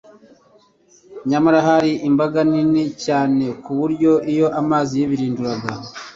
nyamara bari imbaga nini cyane ku buryo, iyo amazi yibirinduraga,